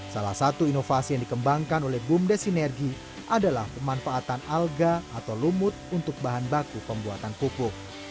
salah satu inovasi yang dikembangkan oleh bumdes sinergi adalah pemanfaatan alga atau lumut untuk bahan baku pembuatan pupuk